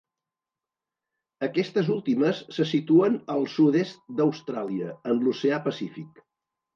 Aquestes últimes se situen al sud-est d'Austràlia, en l'Oceà Pacífic.